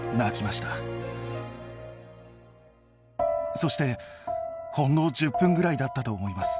そしてほんの１０分ぐらいだったと思います。